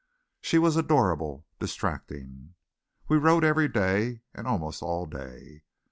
She was adorable, distracting. We rode every day and almost all day.